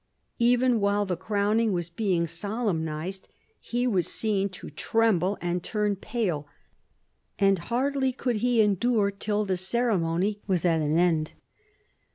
Even while the crowning was being solemnised, he was seen to tremble and turn pale, and hardly could he M 162 PHILIP AUGUSTUS chap. endure till the ceremony was at an end.